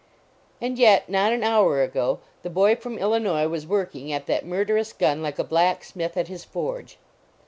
And yet, not an hour ago, the boy from Illinois was working at that murderous gun like a blacksmith at his forge.